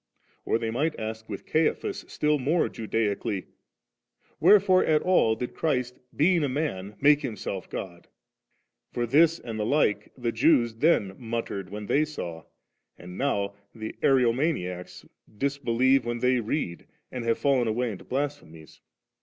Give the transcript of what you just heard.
or they might speak with Caiaphas still more Judaically, 'Wherefore at all did Christ, being a man, make ffimself God*?' for this and the like the Jews then muttered when they saw, and now the Ario maniacs disbelieve when they read, and have fallen away into blasphemies.